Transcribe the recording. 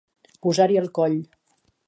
Posar-hi el coll.